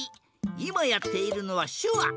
いまやっているのはしゅわ。